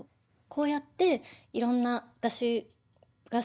こうやっていろんな何かこう